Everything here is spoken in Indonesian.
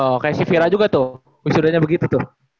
oh kayak si vira juga tuh wisudanya begitu tuh